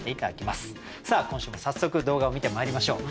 さあ今週も早速動画を観てまいりましょう。